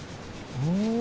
うん？